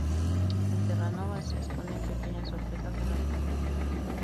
En Terranova se esconden pequeñas sorpresas en los panqueques.